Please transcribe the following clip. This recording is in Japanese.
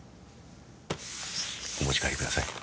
お持ち帰りください